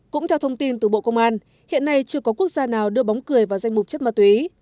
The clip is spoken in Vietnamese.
cũng theo thông tin từ bộ công an hiện nay chưa có quốc gia nào đưa bóng cười vào danh mục chất ma túy